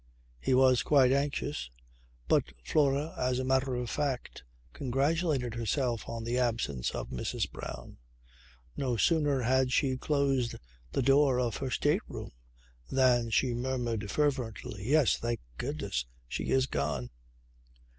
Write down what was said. He was quite anxious; but Flora as a matter of fact congratulated herself on the absence of Mrs. Brown. No sooner had she closed the door of her state room than she murmured fervently, "Yes! Thank goodness, she is gone."